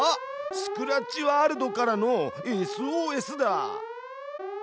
スクラッチワールドからのＳＯＳだ！